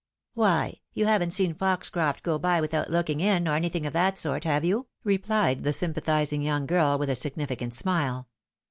"Why, you haven't seen Foxcroft go by without looking in, or anything of that sort, have you ?" repHed the sympatlusing young girl, with a significant smile.